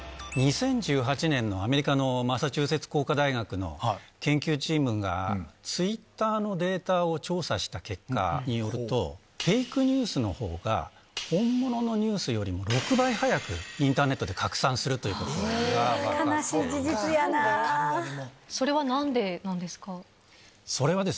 ２０１８年のアメリカのマサチューセッツ工科大学の研究チームが、ツイッターのデータを調査した結果によると、フェイクニュースのほうが、本物のニュースよりも、６倍速くインターネットで拡散するということが分かって。